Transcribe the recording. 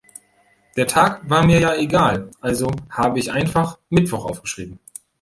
Der Tag war mir ja egal, also habe ich einfach Mittwoch aufgeschrieben.